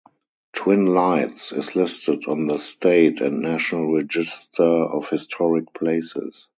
Twin Lights is listed on the State and National Register of Historic Places.